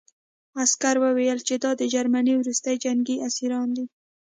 عسکر وویل چې دا د جرمني وروستي جنګي اسیران دي